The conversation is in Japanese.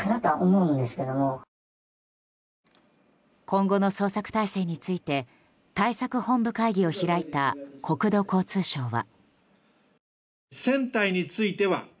今後の捜索態勢について対策本部会議を開いた国土交通省は。